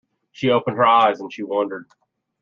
She opened her eyes, and she wondered.